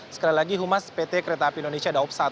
sekali lagi humas pt kereta api indonesia daup satu